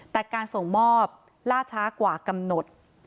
แต่การส่งมอบล่าช้ากว่ากำหนด